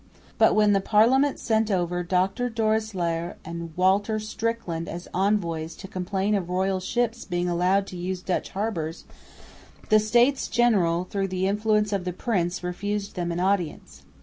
But, when the Parliament sent over Dr Doreslaer and Walter Strickland as envoys to complain of royal ships being allowed to use Dutch harbours, the States General, through the influence of the prince, refused them an audience.